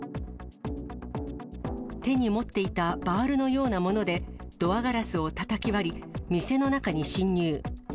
手に持っていたバールのようなもので、ドアガラスをたたき割り、店の中に侵入。